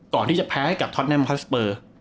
ก่อนที่จะแพ้กับท็อตแนนด์คันสเปอร์